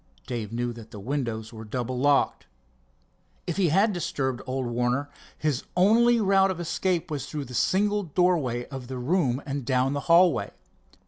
Dave knew that the windows were double locked. If he had disturbed old Warner, his only route of escape was through the single doorway of the room and down the hallway.